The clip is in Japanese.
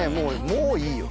もういいよ